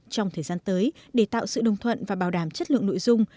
trong thời gian tới để tạo sự đồng thuận và bảo đảm chất lượng nội dung